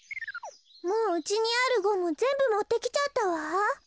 もううちにあるゴムぜんぶもってきちゃったわ。